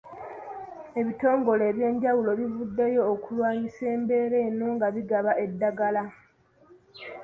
Ebitongole eby'enjawulo bivuddeyo okulwanyisa embeera eno nga bigaba eddagala